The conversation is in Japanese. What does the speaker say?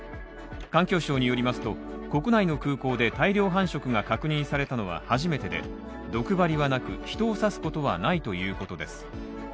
環境省によりますと、国内の空港で大量繁殖が確認されたのは初めてで毒針はなく、人を刺すことはないということです。